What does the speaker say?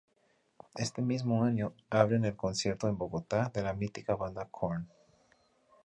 Este mismo año abren el concierto en Bogotá de la mítica banda Korn.